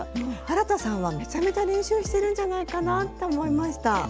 あらたさんはめちゃめちゃ練習してるんじゃないかなって思いました。